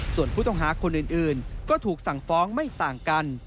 ส่วนผู้ต้องหาคนอื่นก็ถูกสั่งฟ้องไม่ต่างกัน